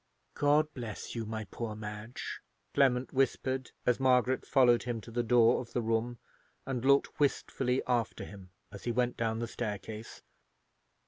God bless you, my poor Madge!" Clement whispered, as Margaret followed him to the door of the room, and looked wistfully after him as he went down the staircase.